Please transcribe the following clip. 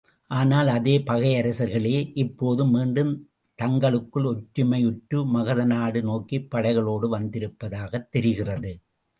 ஆனால் அதே பகையரசர்களே இப்போது, மீண்டும் தங்களுக்குள் ஒற்றுமையுற்று மகத நாடு நோக்கிப் படைகளோடு வந்திருப்பதாகத் தெரிகிறது.